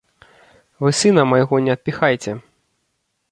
Вы сына майго не адпіхайце.